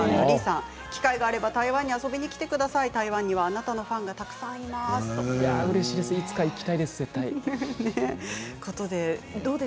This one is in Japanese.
機会があれば台湾に遊びに来てください、台湾にはあなたのファンがたくさんいます、ということです。